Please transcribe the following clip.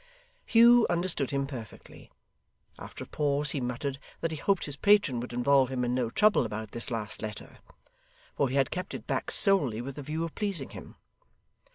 Hugh understood him perfectly. After a pause he muttered that he hoped his patron would involve him in no trouble about this last letter; for he had kept it back solely with the view of pleasing him.